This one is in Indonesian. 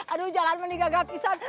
aduh jalan meninggal gak pisang